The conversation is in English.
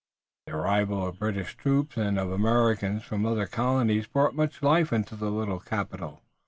The arrival of the British troops and of Americans from other colonies brought much life into the little capital.